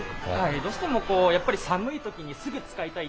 どうしてもやっぱり、寒いときにすぐ使いたい。